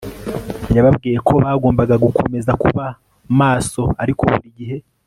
yababwiye ko bagombaga gukomeza kuba maso ariko buri gihe